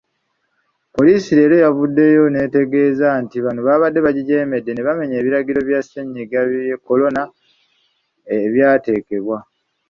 Poliisi leero yavuddeyo netegeeza nti bano babadde bagijeemedde nebamenya ebiragiro bya sennyiga kolona ebyateekebwa.